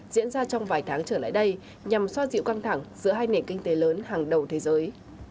diễn ra trong vài tháng trở lại đây nhằm xoa dịu căng thẳng giữa hai nền kinh tế lớn hàng đầu thế giới